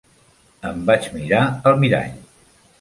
Em vaig mirar al mirall.